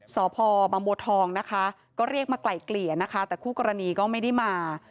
สพบังบัวทองนะคะก็เรียกมาไกลเกลี่ยนะคะแต่คู่กรณีก็ไม่ได้มา